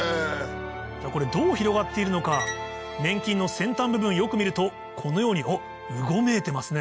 これどう広がっているのか粘菌の先端部分よく見るとこのようにうごめいてますね